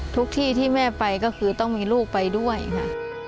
ทุกที่ที่แม่ไปก็คือต้องมีลูกไปด้วยค่ะ